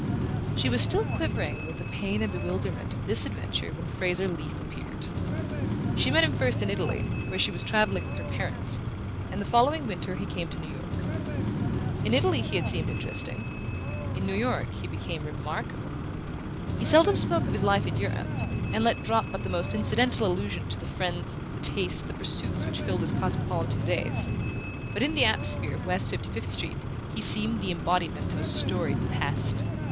She was still quivering with the pain and bewilderment of this adventure when Fraser Leath appeared. She met him first in Italy, where she was travelling with her parents; and the following winter he came to New York. In Italy he had seemed interesting: in New York he became remarkable. He seldom spoke of his life in Europe, and let drop but the most incidental allusions to the friends, the tastes, the pursuits which filled his cosmopolitan days; but in the atmosphere of West Fifty fifth Street he seemed the embodiment of a storied past.